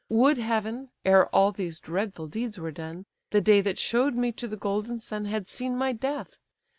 Would heaven, ere all these dreadful deeds were done, The day that show'd me to the golden sun Had seen my death!